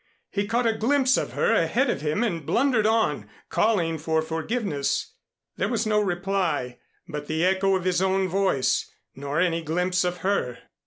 He caught a glimpse of her ahead of him and blundered on, calling for forgiveness. There was no reply but the echo of his own voice, nor any glimpse of her.